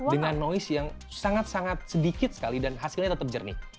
dengan noise yang sangat sangat sedikit sekali dan hasilnya tetap jernih